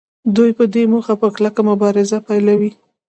دوی په دې موخه په کلکه مبارزه پیلوي